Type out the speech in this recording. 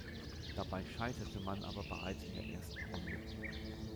Dabei scheiterte man aber bereits in der ersten Runde.